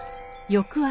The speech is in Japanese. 翌朝。